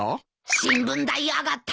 「新聞代上がった」